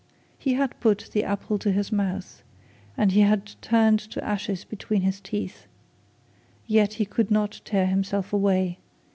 He had put the apple to his mouth, and it had turned to ashes between his teeth. Yet he could not tear himself away.